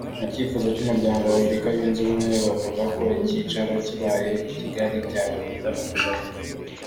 mu kifuza cy’Umuryango wa Afurika yunze ubumwe bavuga ko icyicaro kibaye I Kigali byaba byiza kurushaho